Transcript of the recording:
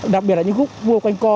đặc biệt là những khúc cua